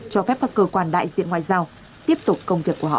cho phép các cơ quan đại diện ngoại giao tiếp tục công việc của họ